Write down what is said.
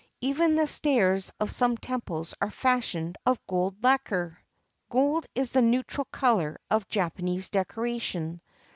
Even the stairs of some temples are fashioned of gold lacquer. Gold is the neutral color of Japanese decoration.